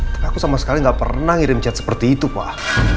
tapi aku sama sekali nggak pernah ngirim chat seperti itu pak